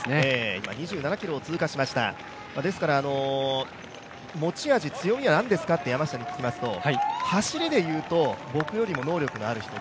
今２７ｋｍを通過しました、持ち味、強みは何ですかと山下に聞きますと走りでいうと僕より能力のある選手